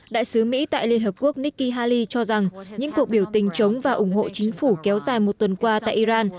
đại sứ mỹ tại liên hợp quốc nikki haley cho rằng những cuộc biểu tình chống và ủng hộ chính phủ kéo dài một tuần qua tại iran